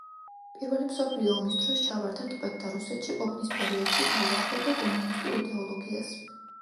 პირველი მსოფლიო ომის დროს ჩავარდა ტყვედ და რუსეთში ყოფნის პერიოდში დაუახლოვდა კომუნისტურ იდეოლოგიას.